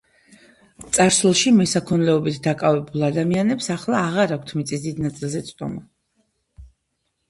წარსულში მესაქონლეობით დაკავებულ ადამიანებს ახლა აღარ აქვთ მიწის დიდ ნაწილზე წვდომა.